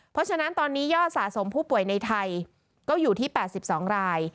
เพราะฉะนั้นตอนนี้ยอดสะสมผู้ป่วยในไทยก็อยู่ที่๘๒ราย